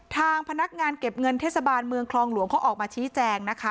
ทางพนักงานเก็บเงินเทศบาลเมืองคลองหลวงเขาออกมาชี้แจงนะคะ